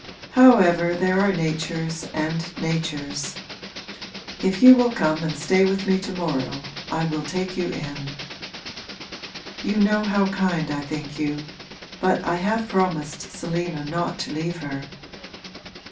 However, there are natures and natures. If you will come and stay with me to morrow I will take you in.' 'You know how kind I think you, but I have promised Selina not to leave her.'